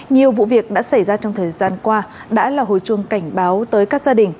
nhiều vụ việc đã xảy ra trong thời gian qua đã là hồi chuông cảnh báo tới các gia đình